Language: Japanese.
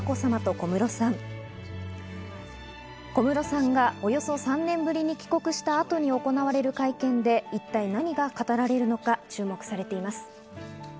小室さんがおよそ３年ぶりに帰国した後に行われる会見で一体何が語られるのか注目されます。